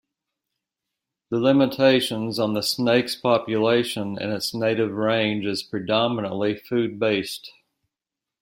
The limitations on the snake's population in its native range is predominantly food based.